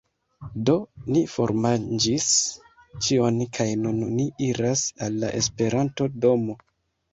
Do, ni formanĝis ĉion kaj nun ni iras al la Esperanto-domo